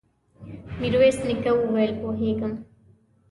ميرويس نيکه وويل: پوهېږم.